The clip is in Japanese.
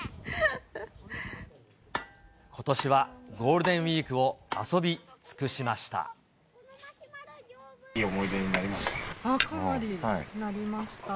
ことしはゴールデンウィークを遊び尽くしました。